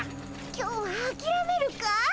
今日はあきらめるかい？